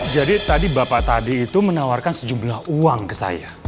jadi tadi bapak tadi itu menawarkan sejumlah uang ke saya